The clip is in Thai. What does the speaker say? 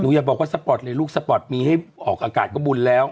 อย่าบอกว่าสปอร์ตเลยลูกสปอร์ตมีให้ออกอากาศก็บุญแล้ว